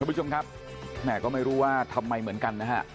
ผู้ชมครับแม่ก็ไม่รู้ว่าทำไมเหมือนกันนะฮะ